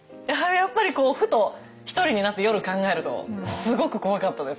やっぱりこうふと一人になって夜考えるとすごく怖かったです。